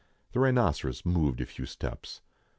The rhinoceros moved a few steps.